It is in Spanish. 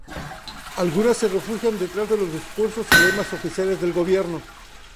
Algunas se refugian detrás de los discursos y lemas oficiales del gobierno.